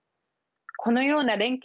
このような連携